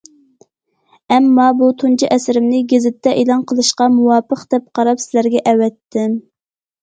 ئەمما بۇ تۇنجى ئەسىرىمنى گېزىتتە ئېلان قىلىشقا مۇۋاپىق دەپ قاراپ، سىلەرگە ئەۋەتتىم.